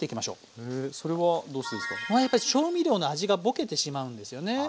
これはやっぱり調味料の味がボケてしまうんですよね。